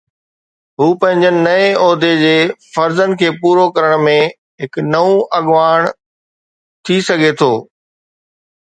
هو پنهنجي نئين عهدي جي فرضن کي پورو ڪرڻ ۾ هڪ اڳواڻ ٿي سگهي ٿو